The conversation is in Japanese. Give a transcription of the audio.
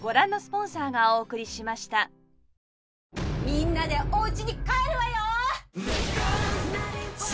みんなでおうちに帰るわよ！